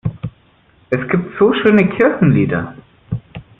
Es gibt so schöne Kirchenlieder!